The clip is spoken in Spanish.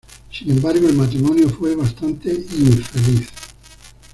Sin embargo el matrimonio fue bastante infeliz.